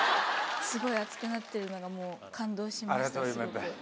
スゴい熱くなってるのがもう感動しましたスゴく。